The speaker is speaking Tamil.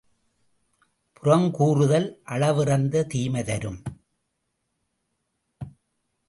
புறங்கூறுதல் அளவிறந்த தீமை தரும்.